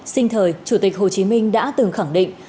sinh thời chủ tịch hồ chí minh đã từng khẳng định